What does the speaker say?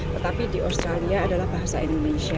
tetapi di australia adalah bahasa indonesia